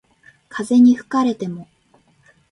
風に吹かれても